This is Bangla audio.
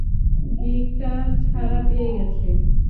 গিকটা ছাড়া পেয়ে গেছে।